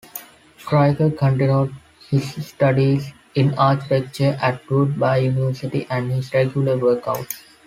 Stryker continued his studies in architecture at Woodbury University and his regular workouts.